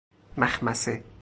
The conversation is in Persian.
مخمصه